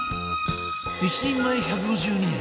１人前１５２円